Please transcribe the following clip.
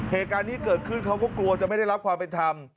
เหตุการณ์นี้เกิดขึ้นเขาก็กลัวจะไม่ได้รับความเป็นธรรม